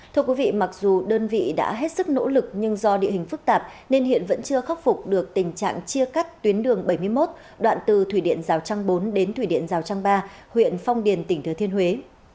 thưa quý vị mặc dù đơn vị đã hết sức nỗ lực nhưng do địa hình phức tạp nên hiện vẫn chưa khắc phục được tình trạng chia cắt tuyến đường bảy mươi một đoạn từ thủy điện rào trăng bốn đến thủy điện rào trang ba huyện phong điền tỉnh thừa thiên huế